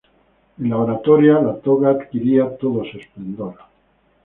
En la oratoria, la toga adquiría todo su esplendor.